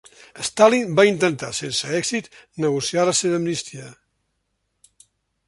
Stalin va intentar, sense èxit, negociar la seva amnistia.